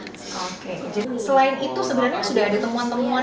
oke jadi selain itu sebenarnya sudah ada temuan temuan